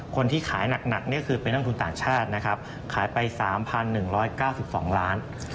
คนที่ขายหนักคือเป็นต้นทุนต่างชาติขายไป๓๑๙๒ล้าน